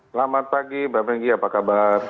selamat pagi mbak benggi apa kabar